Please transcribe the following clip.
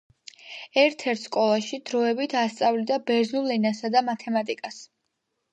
ერთ-ერთ სკოლაში დროებით ასწავლიდა ბერძნულ ენასა და მათემატიკას.